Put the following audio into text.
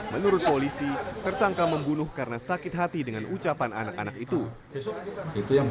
menurut polisi tersangka membunuh karena sakit hati dengan ucapan anak anak itu yang